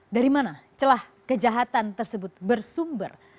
dari mana celah kejahatan tersebut bersumber